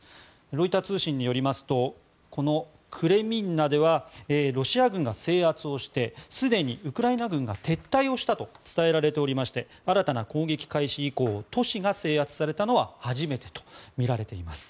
ロイター通信によりますとこのクレミンナではロシア軍が制圧してすでにウクライナ軍が撤退をしたと伝えられておりまして新たな攻撃開始以降都市が制圧されたのは初めてとみられています。